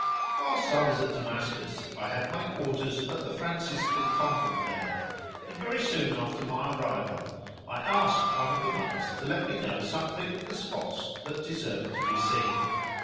Whilst I was at Damascus I had my quarters at the Franciscan convent there, and very soon after my arrival I asked one of the monks to let me know something of the spots that deserved to be seen.